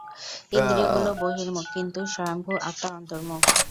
ইন্দ্রিয়গুলি বহির্মুখ, কিন্তু স্বয়ম্ভূ আত্মা অন্তর্মুখ।